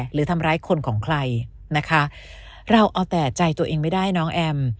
หรือทำร้ายคนของใครนะคะเราเอาแต่ใจตัวเองไม่ได้น้องแอม